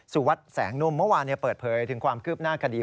สุวัสดิแสงนุ่มเมื่อวานเปิดเผยถึงความคืบหน้าคดี